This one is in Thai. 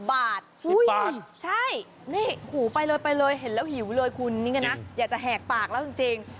บาทใช่นี่หูไปเลยไปเลยเห็นแล้วหิวเลยคุณนี่ไงนะอยากจะแหกปากแล้วจริง